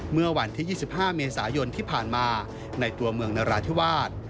เมื่อวันที่๒๕เมษายนที่ผ่านมาในตัวเมืองนราธิวาส